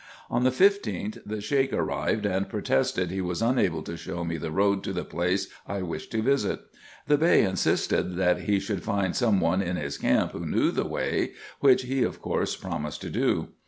On the 15th the Sheik arrived, and protested he was unable to show me the road to the place I wished to visit. The Bey in sisted that he should find some one in his camp who knew the way, which he of course promised to do.